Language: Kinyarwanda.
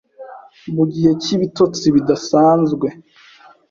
Mu gihe cy’ibitotsi bidasanzwe